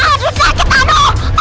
aduh sakit aduh